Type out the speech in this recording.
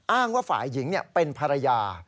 อ้างว่าฝ่ายหญิงเป็นภรรยา